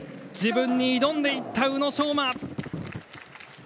自分に挑んでいった宇野昌磨。